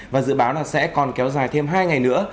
và dự báo là sẽ còn kéo dài thêm hai ngày nữa